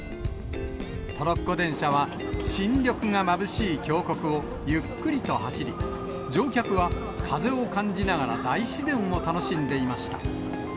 トロッコ電車は、新緑がまぶしい峡谷をゆっくりと走り、乗客は風を感じながら大自然を楽しんでいました。